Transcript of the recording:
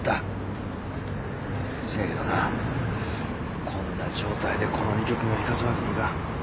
せやけどなこんな状態でこの２曲目弾かすわけにいかん。